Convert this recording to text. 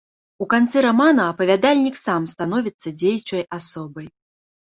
У канцы рамана апавядальнік сам становіцца дзеючай асобай.